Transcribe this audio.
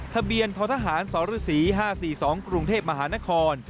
ทะเบียนทศศ๕๔๒กรุงเทพฯมหานคร